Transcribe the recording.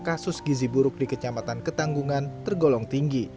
kasus gizi buruk di kecamatan ketanggungan tergolong tinggi